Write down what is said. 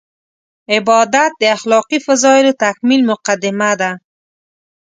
عبادت د اخلاقي فضایلو تکمیل مقدمه ده.